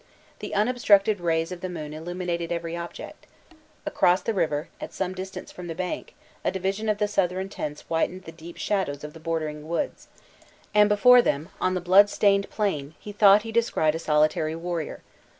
The unobstructed rays of the moon illumined every object. Across the river, at some distance from the bank, a division of the Southron tents whitened the deep shadows of the bordering woods; and before them, on the blood stained plain, he thought he descried a solitary warrior.